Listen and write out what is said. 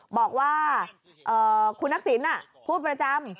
บอกว่าคุณนักศิลป์พูดไปประจำ